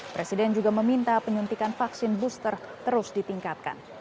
presiden juga meminta penyuntikan vaksin booster terus ditingkatkan